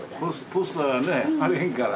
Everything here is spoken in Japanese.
ポスターね貼れへんから。